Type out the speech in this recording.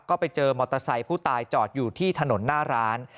ก็ไปเจอมอเตอร์ไซค์ผู้ตายจอดอยู่ที่ถนนหน้าร้าน